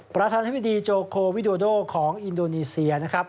ประธานธิบดีโจโควิโดโดของอินโดนีเซียนะครับ